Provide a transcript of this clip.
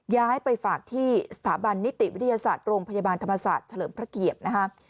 ย้ายไปฝากที่สถาบันนิติวิทยาศาสตร์โรงพยาบาลธรรมศาสตร์เฉลิมพระเกียรตินะคะ